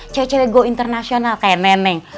cele cele go internasional kayak neneng